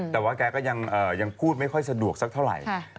แต่ว่าแกก็ยังพูดไม่ค่อยสะดวกสักเท่าไหร่